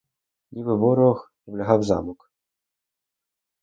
Ніби ворог облягав замок.